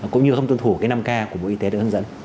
cũng như không tuân thủ cái năm k của bộ y tế được hướng dẫn